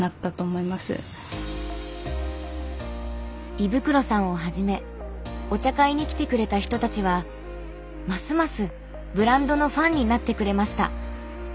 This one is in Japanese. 衣袋さんをはじめお茶会に来てくれた人たちはますますブランドのファンになってくれました。